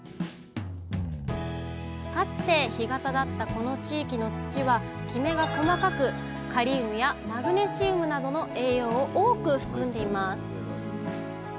この地域の土はきめが細かくカリウムやマグネシウムなどの栄養を多く含んでいます。